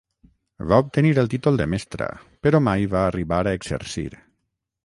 Va obtenir el títol de mestra però mai va arribar a exercir.